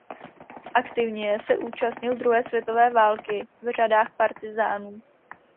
Aktivně se účastnil druhé světové války v řadách partyzánů.